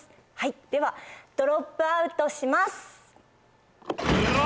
ではドロップアウトします。